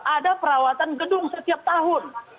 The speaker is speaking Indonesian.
ada perawatan gedung setiap tahun